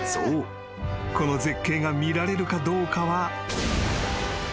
この絶景が見られるかどうかは］